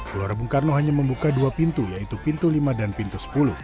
gelora bung karno hanya membuka dua pintu yaitu pintu lima dan pintu sepuluh